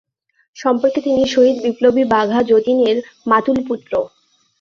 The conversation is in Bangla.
সম্পর্কে তিনি শহীদ বিপ্লবী বাঘা যতীন এর মাতুলপুত্র।